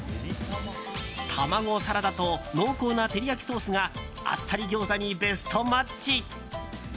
卵サラダと濃厚な照り焼きソースがあっさり餃子にベストマッチ。